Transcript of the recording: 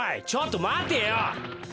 ちょっとまてよ！